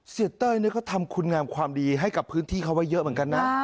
เต้ยเขาทำคุณงามความดีให้กับพื้นที่เขาไว้เยอะเหมือนกันนะ